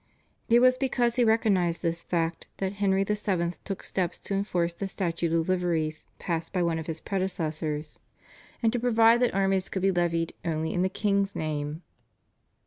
It was because he recognised this fact that Henry VII. took steps to enforce the Statute of Liveries passed by one of his predecessors, and to provide that armies could be levied only in the king's name.